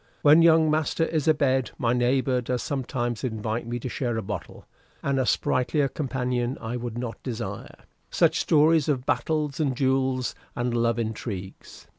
"When young master is abed, my neighbor does sometimes invite me to share a bottle; and a sprightlier companion I would not desire. Such stories of battles, and duels, and love intrigues!"